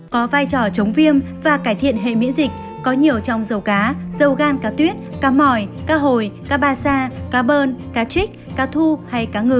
có vai trò chống viêm và cải thiện hệ miễn dịch có nhiều trong dầu cá dầu gan cá tuyết cá mỏi cá hồi cá ba sa cá bơn cá trích cá thu hay cá ngừ